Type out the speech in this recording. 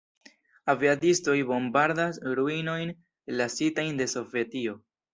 Aviadistoj bombardas ruinojn lasitajn de Sovetio.